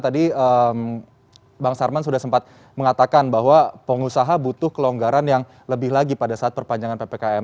tadi bang sarman sudah sempat mengatakan bahwa pengusaha butuh kelonggaran yang lebih lagi pada saat perpanjangan ppkm